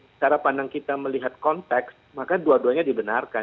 secara pandang kita melihat konteks maka dua duanya dibenarkan